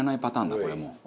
これもう。